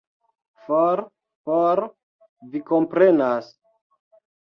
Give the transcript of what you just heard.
For, for, vi komprenas.